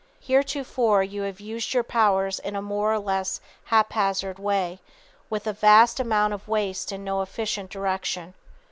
_ Heretofore you have used your powers in a more or less haphazard way, with a vast amount of waste and no efficient direction.